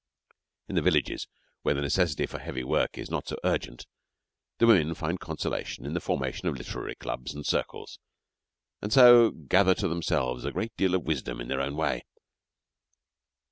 In the villages where the necessity for heavy work is not so urgent the women find consolation in the formation of literary clubs and circles, and so gather to themselves a great deal of wisdom in their own way.